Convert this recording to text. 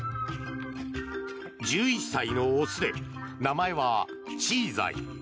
１１歳の雄で、名前はチーザイ。